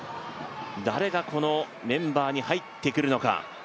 誰がこのメンバーに入ってくるのか。